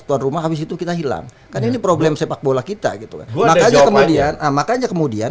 tuan rumah habis itu kita hilang kan ini problem sepak bola kita gitu kan makanya kemudian makanya kemudian